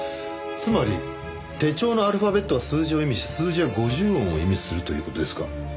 つまり手帳のアルファベットは数字を意味し数字は五十音を意味するという事ですか。